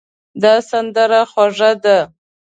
دا سندره خوږه ده.